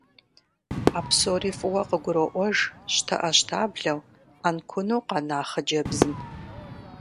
А псори фӏыуэ къыгуроӏуэж щтэӏэщтаблэу, ӏэнкуну къэна хъыджэбзым.